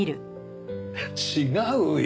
違うよ。